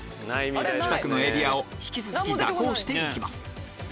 北区のエリアを引き続き蛇行していきます